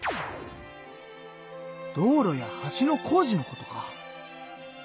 道路や橋の工事のことか。